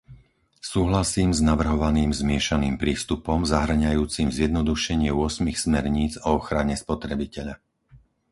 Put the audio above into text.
Súhlasím s navrhovaným zmiešaným prístupom, zahŕňajúcim zjednodušenie ôsmich smerníc o ochrane spotrebiteľa.